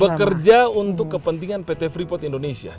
bekerja untuk kepentingan pt freeport indonesia